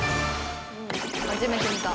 初めて見た。